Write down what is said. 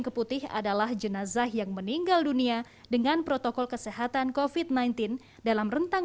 keputih adalah jenazah yang meninggal dunia dengan protokol kesehatan kofit sembilan belas dalam rentang